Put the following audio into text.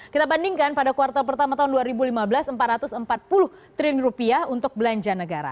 kita bandingkan pada kuartal pertama tahun dua ribu lima belas empat ratus empat puluh triliun untuk belanja negara